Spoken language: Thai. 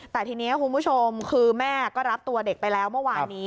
แต่ทีนี้คุณผู้ชมคือแม่ก็รับตัวเด็กไปแล้วเมื่อวานนี้